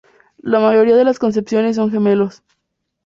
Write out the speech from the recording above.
La mayoría de las concepciones son gemelos.